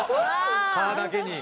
蚊だけに。